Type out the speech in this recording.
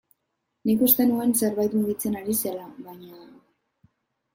Nik uste nuen zerbait mugitzen ari zela, baina...